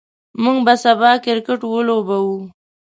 موږ به سبا کرکټ ولوبو.